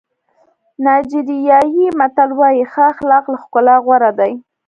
نایجیریایي متل وایي ښه اخلاق له ښکلا غوره دي.